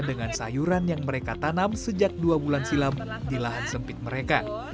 dengan sayuran yang mereka tanam sejak dua bulan silam di lahan sempit mereka